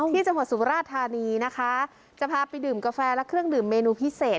ที่จังหวัดสุราธานีนะคะจะพาไปดื่มกาแฟและเครื่องดื่มเมนูพิเศษ